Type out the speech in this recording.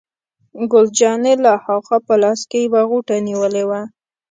ګل جانې له ها خوا په لاس کې یوه غوټه نیولې وه.